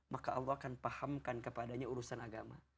maka allah akan pahamkan kepadanya urusan agama